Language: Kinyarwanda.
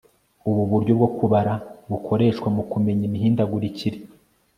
ubu buryo bwo kubara bukoreshwa mu kumenya imihindagurikire